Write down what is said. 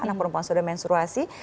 anak perempuan sudah menstruasi